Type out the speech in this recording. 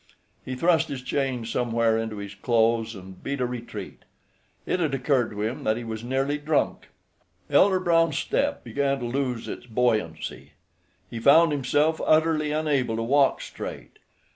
He thrust his change somewhere into his clothes, and beat a retreat. It had occurred to him that he was nearly drunk. Elder Brown's step began to lose its buoyancy. He found himself utterly unable to walk straight.